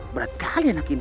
berat kali anak ini